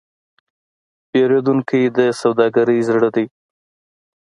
پیرودونکی د سوداګرۍ زړه دی.